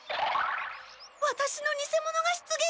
ワタシの偽者が出現した！？